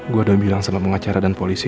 gue udah bilang sama pengacara dan polisi